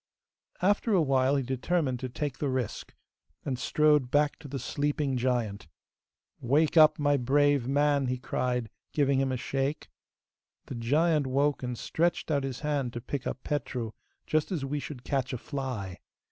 After a while, he determined to take the risk, and strode back to the sleeping giant. 'Wake up, my brave man!' he cried, giving him a shake. The giant woke and stretched out his hand to pick up Petru, just as we should catch a fly.